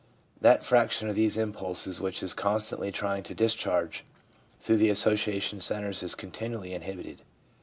That fraction of these impulses which is constantly trying to discharge through the association centres is continually inhibited.